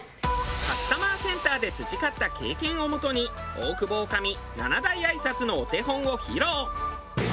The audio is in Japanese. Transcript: カスタマーセンターで培った経験をもとに大久保女将７大挨拶のお手本を披露。